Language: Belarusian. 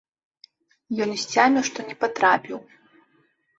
Ён сцяміў, што не патрапіў.